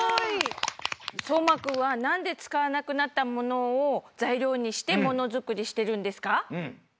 そうまくんはなんでつかわなくなったものをざいりょうにしてものづくりしてるんですか？